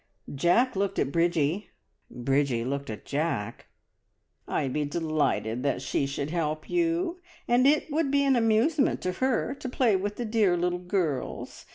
Jack looked at Bridgie; Bridgie looked at Jack. "I'd be delighted that she should help you, and it would be an amusement to her to play with the dear little girls.